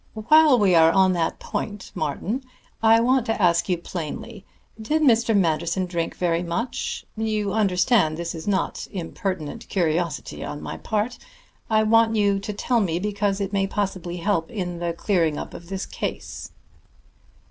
"While we are on that point, Martin, I want to ask you plainly, did Mr. Manderson drink very much? You understand this is not impertinent curiosity on my part. I want you to tell me because it may possibly help in the clearing up of this case."